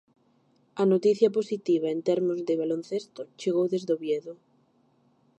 A noticia positiva en termos de baloncesto chegou desde Oviedo.